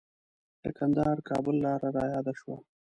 د کندهار-کابل لاره رایاده شوه.